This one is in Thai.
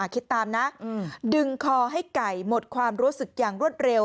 คิดตามนะดึงคอให้ไก่หมดความรู้สึกอย่างรวดเร็ว